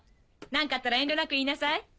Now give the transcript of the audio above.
何かあったら遠慮なく言いなさい。